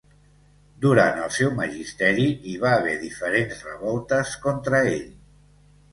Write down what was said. Durant el seu magisteri hi va haver diferents revoltes contra ell.